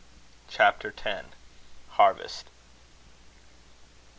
CHAPTER X. HARVEST.